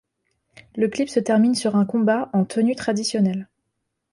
Le clip se termine sur un combat en tenues traditionnelles.